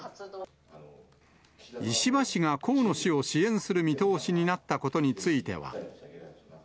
石破氏が河野氏を支援する見通しになったことについては。